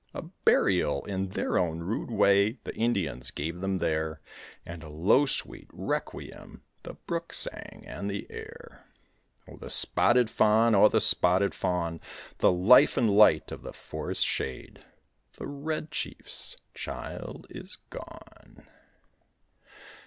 A burial in their own rude way the Indians gave them there, And a low sweet requiem the brook sang and the air. Oh, the Spotted Fawn, oh, the Spotted Fawn, The life and light of the forest shade, The Red Chief's child is gone!